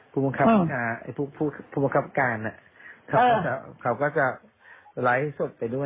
พรุ่งกรรมการเขาก็จะไลฟ์ให้สดไปด้วย